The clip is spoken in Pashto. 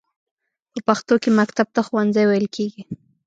په پښتو کې مکتب ته ښوونځی ویل کیږی.